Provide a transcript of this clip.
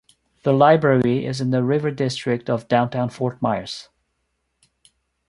The library is in the River District of downtown Fort Myers.